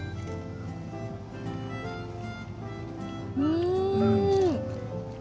うん！